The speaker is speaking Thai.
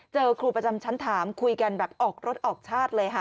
เจอครูประจำชั้นถามคุยกันแบบออกรถออกชาติเลยค่ะ